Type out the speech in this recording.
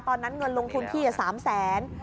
ตอนนั้นเงินลงทุนพี่๓แสน